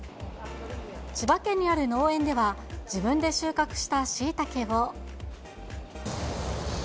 千葉県にある農園では、自分で収穫したシイタケを。